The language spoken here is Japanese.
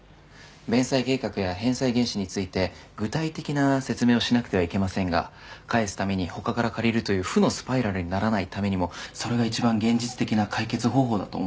弁済計画や返済原資について具体的な説明をしなくてはいけませんが返すために他から借りるという負のスパイラルにならないためにもそれが一番現実的な解決方法だと思います。